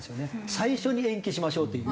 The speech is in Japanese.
最初に延期しましょうという。